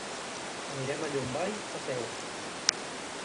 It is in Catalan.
Anirem a Llombai a peu.